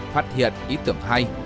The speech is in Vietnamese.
phát hiện ý tưởng hay